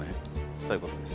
そういうことです。